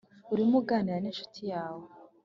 Urimo uraganira n incuti yawe